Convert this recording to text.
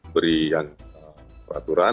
beri yang peraturan